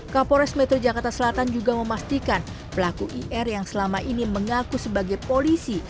kapolres metro jakarta selatan juga memastikan pelaku ir yang selama ini mengaku sebagai polisi